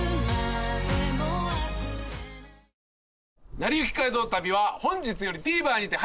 『なりゆき街道旅』は本日よりＴＶｅｒにて配信スタート。